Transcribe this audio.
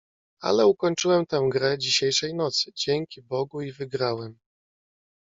"Ale ukończyłem tę grę dzisiejszej nocy, dzięki Bogu i wygrałem!"